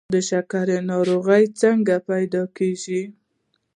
د شکر ناروغي څنګه پیدا کیږي؟